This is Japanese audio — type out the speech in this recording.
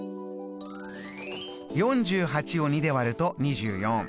４８を２で割ると２４。